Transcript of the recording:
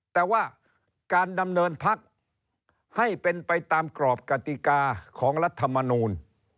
แต่ว่าการดำเนินพักให้เป็นไปตามกรอบกติกาของรัฐมนูล